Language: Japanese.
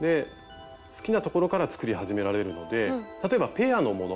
好きなところから作り始められるので例えばペアのもの